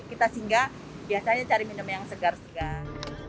kita singgah biasanya cari minum yang segar segar